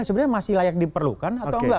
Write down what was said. sebenarnya masih layak diperlukan atau enggak